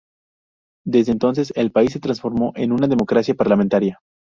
Desde entonces, el país se transformó en una democracia parlamentaria.